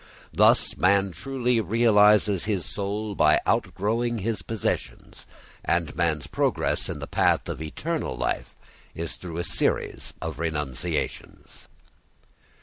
Thus man truly realises his soul by outgrowing his possessions, and man's progress in the path of eternal life is through a series of renunciations.